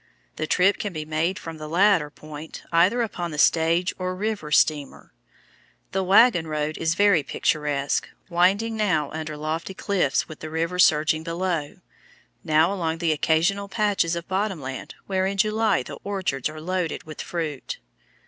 The trip can be made from the latter point either upon the stage or river steamer. The wagon road is very picturesque, winding now under lofty cliffs with the river surging below, now along the occasional patches of bottom land where in July the orchards are loaded with fruit.